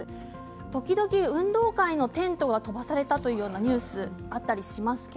時々、運動会のテントが飛ばされたというようなニュースがありますね。